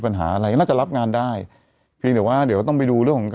เพียงเฉพาะเดี๋ยวต้องไปดูเรื่อง